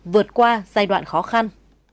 vượt qua giai đoạn khó khăn